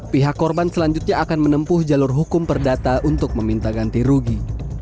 pihak korban selanjutnya akan menempuh jalur hukum perdata untuk meminta ganti rugi